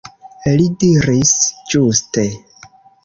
Li diris ĝuste.